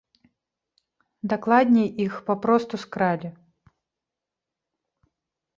Дакладней, іх папросту скралі.